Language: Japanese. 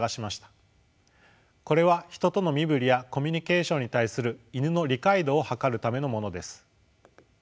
これはヒトとの身振りやコミュニケーションに対するイヌの理解度を測るためのものです。